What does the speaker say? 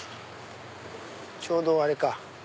ちょうどあれか。